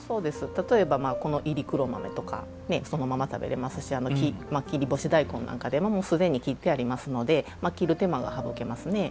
例えば、いり黒豆とかそのまま食べられますし切り干し大根なんかでももうすでに切ってありますので切る手間が省けますね。